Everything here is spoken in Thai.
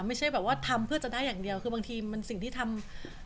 ไม่ใช่แบบว่าทำเพื่อจะได้อย่างเดียวคือบางทีมันสิ่งที่ทำ